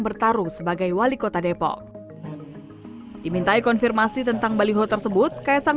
bertarung sebagai wali kota depok dimintai konfirmasi tentang baliho tersebut kaisang